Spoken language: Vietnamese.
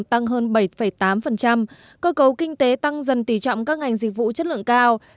tăng hơn bảy tám cơ cấu kinh tế tăng dần tỉ trọng các ngành dịch vụ chất lượng cao